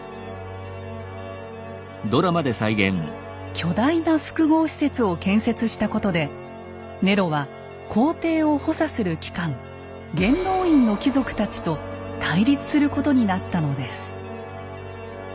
巨大な複合施設を建設したことでネロは皇帝を補佐する機関元老院の貴族たちと対立することになったのです。